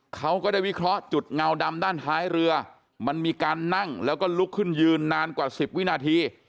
เขาก็ได้วิเคราะห์จุดเงาดำด้านท้ายเรือมันมีการนั่งแล้วก็ลุกขึ้นยืนนานกว่า๑๐วินาที